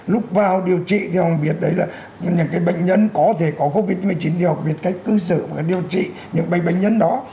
lúc vào điều trị thì họ biết đấy là những cái bệnh nhân có thể có covid một mươi chín thì họ biết cách cư xử và điều trị những bệnh nhân đó